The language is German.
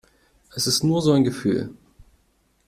Es ist nur so ein Gefühl.